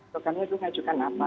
programnya itu ngajukan apa